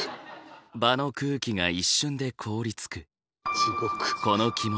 場の空気が一瞬で凍りつく。